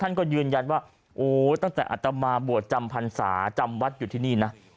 ท่านก็ยืนยันว่าโอ้ตั้งแต่อัตมาบวชจำพรรษาจำวัดอยู่ที่นี่นะ